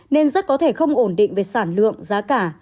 nên rất có thể không ổn định về sản lượng giá cả